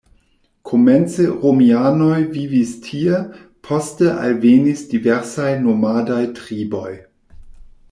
Komence romianoj vivis tie, poste alvenis diversaj nomadaj triboj.